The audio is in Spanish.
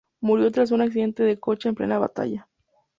Murió tras un accidente de coche en plena batalla.